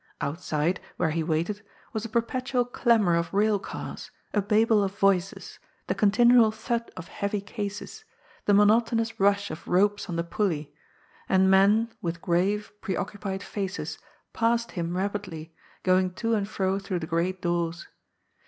Outside, where he waited, was a perpetual clamour of rail cars, a babel of voices, the continual thud of heavy cases, i VOLDERDOES ZOKEK. 95 the monotonous rngh of ropes on the pnlley — and men, with graye, preoccupied faces, passed him rapidly, going to and fro through the great doors.